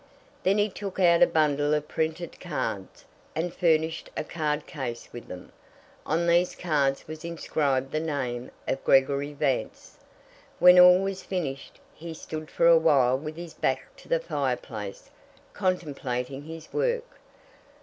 Then he took out a bundle of printed cards, and furnished a card case with them. On these cards was inscribed the name of Gregory Vance. When all was finished, he stood for awhile with his back to the fireplace contemplating his work.